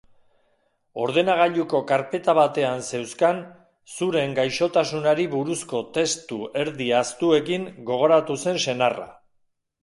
Ordenagailuko karpeta batean zeuzkan Zuren gaixotasunari buruzko testu erdi ahaztuekin gogoratu zen senarra.